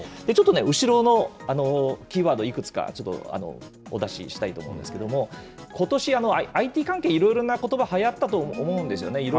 ちょっとね、後ろのキーワード、いくつか、お出ししたいと思うんですけど、ことし、ＩＴ関係、いろいろなことば、はやったと思うんですよね。